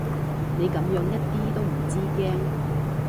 你噉樣一啲都唔知驚